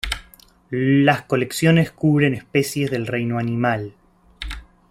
Las colecciones cubren especies del reino animal.